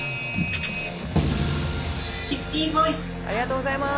ありがとうございます。